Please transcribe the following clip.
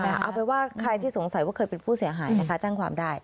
เอาเป็นว่าใครที่สงสัยว่าเคยเป็นผู้เสียหายนะคะแจ้งความได้